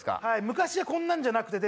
昔はこんなんじゃなくて。